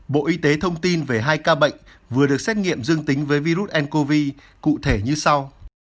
bộ y tế thông tin về hai ca bệnh vừa được xét nghiệm dương tính với virus ncov cụ thể như sau